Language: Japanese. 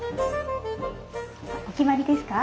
お決まりですか？